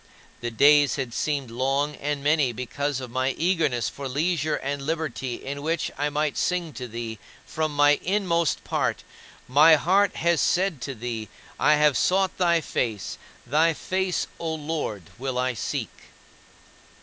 The days had seemed long and many because of my eagerness for leisure and liberty in which I might sing to thee from my inmost part, "My heart has said to thee, I have sought thy face; thy face, O Lord, will I seek."